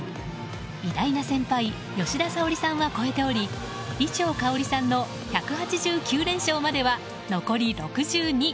偉大な先輩吉田沙保里さんは超えており伊調馨さんの１８９連勝までは残り６２。